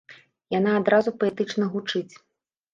Яна адразу паэтычна гучыць.